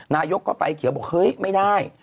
นายกก็ไฟเขียวบอกเฮ้ยไม่ได้